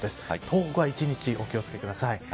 東北は１日お気を付けください。